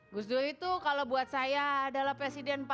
gus dur itu kalau buat saya adalah presiden